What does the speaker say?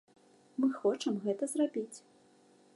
Мы хочам гэта зрабіць.